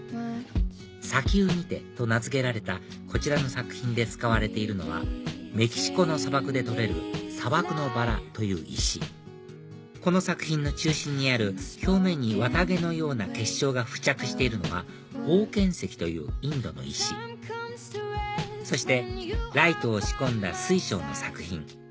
『砂丘にて』と名付けられたこちらの作品で使われているのはメキシコの砂漠で採れる「砂漠のバラ」という石この作品の中心にある表面に綿毛のような結晶が付着しているのはオーケン石というインドの石そしてライトを仕込んだ水晶の作品